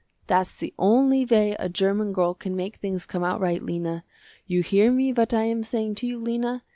That's the only way a german girl can make things come out right Lena. You hear me what I am saying to you Lena.